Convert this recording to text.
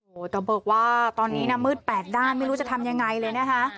โอ้โหแต่บอกว่าตอนนี้นะมืดแปดด้านไม่รู้จะทำยังไงเลยนะคะ